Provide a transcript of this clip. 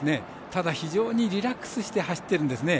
ただ、非常にリラックスして走っているんですね。